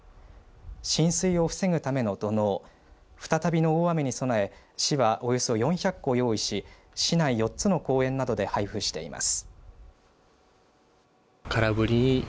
浸水を防ぐための土のう再びの大雨に備え、市はおよそ４００個用意し市内４つの公園などで配布しています。